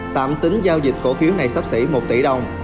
tạm tính giao dịch cổ phiếu này sắp xỉ một tỷ đồng